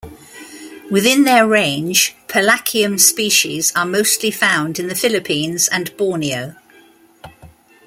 Within their range, "Palaquium" species are mostly found in the Philippines and Borneo.